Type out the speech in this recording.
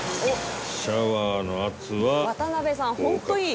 「渡辺さんホントいい！」